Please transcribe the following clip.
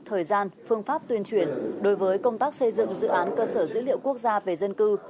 thời gian phương pháp tuyên truyền đối với công tác xây dựng dự án cơ sở dữ liệu quốc gia về dân cư